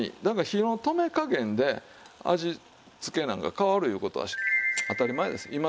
だから火の止め加減で味付けなんか変わるいう事は当たり前です。